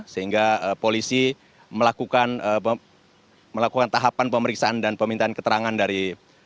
sehingga polisi melakukan tahapan pemeriksaan dan pemintaan keterangan dari